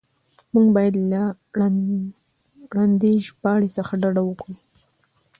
موږ بايد له ړندې ژباړې څخه ډډه وکړو.